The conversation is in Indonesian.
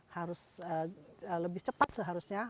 harus lebih cepat seharusnya